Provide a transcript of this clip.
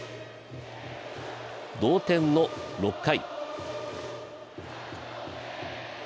同点の６回。